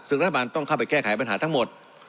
ซึ่งรัฐบาลต้องเข้าไปแก้ไขปัญหาทั้งหมด